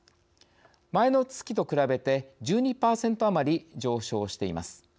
前の月と比べて１２％余りも上昇しています。